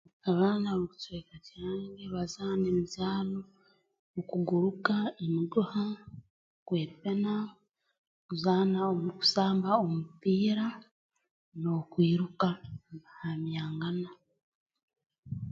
Abaana ab'omu kicweka kyange bazaana emizaano okuguruka emiguha kwepena kuzaana om kusamba omupiira n'okwiruka mbahambyangana